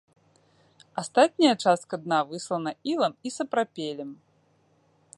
Астатняя частка дна выслана ілам і сапрапелем.